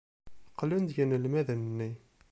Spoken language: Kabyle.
Qqlen-d yinelmaden-nni.